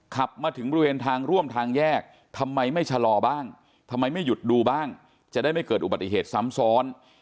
ขับมาถึงบริเวณทางร่วมทางแยกทำไมไม่ชะลอบ้างทำไมไม่หยุดดูบ้างจะได้ไม่เกิดอุบัติเหตุซ้ำซ้อน